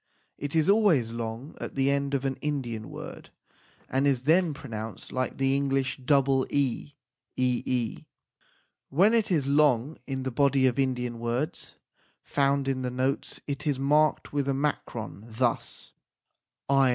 It is always long at the end of an Indian word, and is then pronounced like the English double e ee . When it is long in the body of Indian words found in the notes it is marked with a makron, thus l.